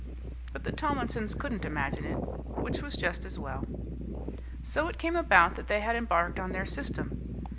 But the Tomlinsons couldn't imagine it, which was just as well. So it came about that they had embarked on their system.